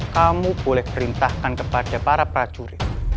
kamu boleh perintahkan kepada para prajurit